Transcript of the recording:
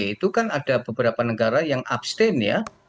itu kan ada beberapa negara yang abstain ya